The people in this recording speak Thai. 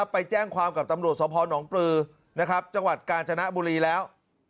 ไปแจ้งความกับตำรวจสพนปลือจังหวัดกาญจนบุรีแล้ว